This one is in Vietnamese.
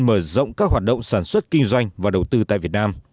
mở rộng các hoạt động sản xuất kinh doanh và đầu tư tại việt nam